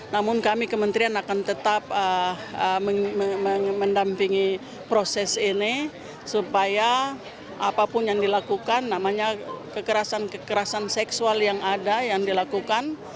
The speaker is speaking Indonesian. namun kami kementerian akan tetap mendampingi proses ini supaya apapun yang dilakukan namanya kekerasan kekerasan seksual yang ada yang dilakukan